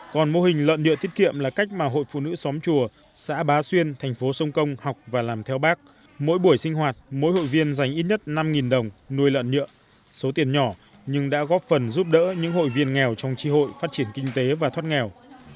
còn mô hình lợn nhựa thiết kiệm là cách mà hội phụ nữ xóm chùa xã bá xuyên thành phố sông công học và làm theo bác mỗi buổi sinh hoạt mỗi hội viên dành ít nhất năm đồng nuôi lợn nhựa số tiền nhỏ nhưng đã góp phần giúp đỡ những hội viên nghèo trong tri hội phát triển kinh tế và thoát nghèo